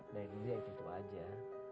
dari dulu ya gitu aja